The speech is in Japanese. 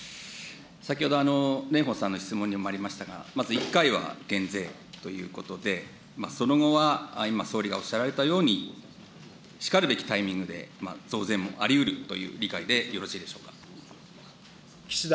先ほど、蓮舫さんの質問にもありましたが、まず１回は減税ということで、その後は今、総理がおっしゃられたように、しかるべきタイミングで増税もありうるという理解でよろしいでし岸田